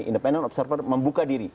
independent observer membuka diri